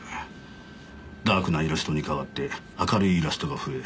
ダークなイラストに代わって明るいイラストが増え